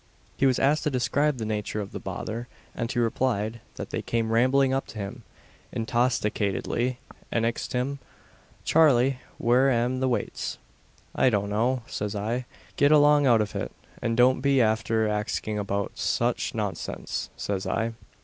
He was asked to describe the nature of the bother; and he replied, that they came rambling up to him intosticatedly, and ax'd him "Charley, where am the waits?" "I don't know," says I "get along out of it; and don't be after axing about such nonsense," says I.